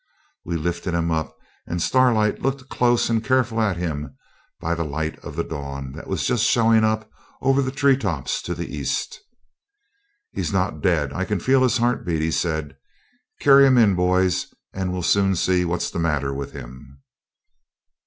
We lifted him up, and Starlight looked close and careful at him by the light of the dawn, that was just showing up over the tree tops to the east. 'He's not dead; I can feel his heart beat,' he said. 'Carry him in, boys, and we'll soon see what's the matter with him.'